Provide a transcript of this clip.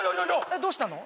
えっどうしたの？